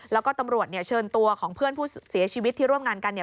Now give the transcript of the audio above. แล้วก็ตำรวจเชิญตัวของเพื่อนผู้เสียชีวิตที่ร่วมงานกัน